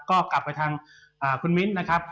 ก็กลับไปทางคุณมิ้นนะครับ